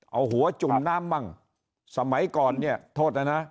เอาหัวจุ่มน้ำมั่งสมัยก่อนเนี่ยโทษนะนะ